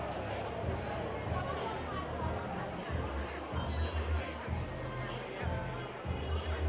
ก็จะไม่ตื่น